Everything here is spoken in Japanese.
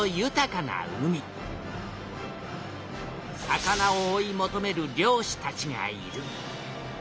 魚を追い求める漁師たちがいる。